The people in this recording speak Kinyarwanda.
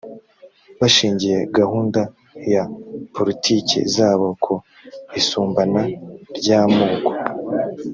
bashingiye gahunda ya poritiki zabo ku isumbana ry’amoko